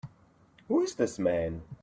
Who is this man?